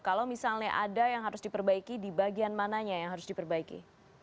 kalau misalnya ada yang harus diperbaiki di bagian mananya yang harus diperbaiki